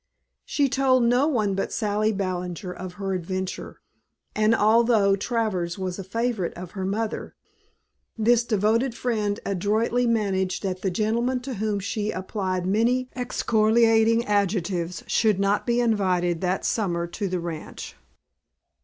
She told no one but Sally Ballinger of her adventure, and although Travers was a favorite of her mother, this devoted friend adroitly managed that the gentleman to whom she applied many excoriating adjectives should not be invited that summer to "the ranch."